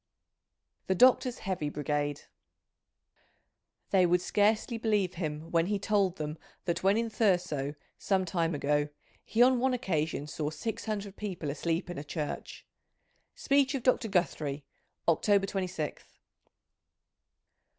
The Doctor's Heavy Brigade. " They would scarcely believe him when he told them that when in Thurso, some time ago, he on one occasion saw six hundred people asleep in a church." Speech of Dr. Guthrie, October 26th.